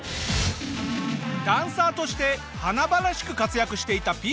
ダンサーとして華々しく活躍していたＰＩＥＴＥＲさん。